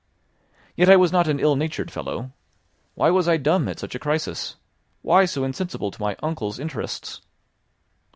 Yet I was not an ill natured fellow. Why was I dumb at such a crisis? Why so insensible to my uncle's interests?